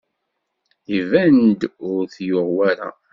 Iban-d ur t-yuɣ wara.